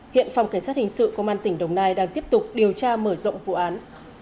hiện phòng cảnh sát hình sự công an tỉnh đồng nai đang tiếp tục điều tra mở rộng vụ án